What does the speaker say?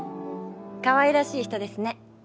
かわいらしい人ですね。